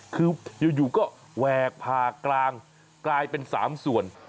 คืออยู่ก็แหวกผ่ากลางกลายเป็น๓ส่วน